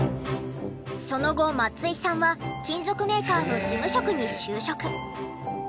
その後松井さんは金属メーカーの事務職に就職。